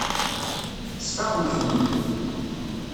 Tesfaqem-ten-id.